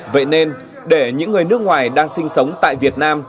vậy nên để những người nước ngoài đang sinh sống tại việt nam